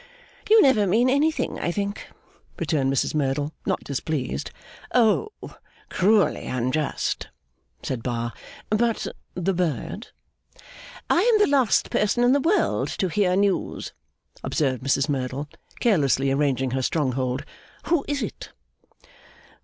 'You never mean anything, I think,' returned Mrs Merdle (not displeased). 'Oh, cruelly unjust!' said Bar. 'But, the bird.' 'I am the last person in the world to hear news,' observed Mrs Merdle, carelessly arranging her stronghold. 'Who is it?